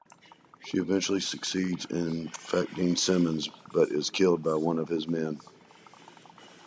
She eventually succeeds in infecting Simmons, but is killed by one of his men.